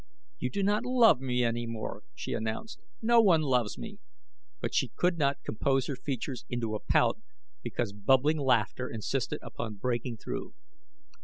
"You do not love me any more," she announced. "No one loves me," but she could not compose her features into a pout because bubbling laughter insisted upon breaking through.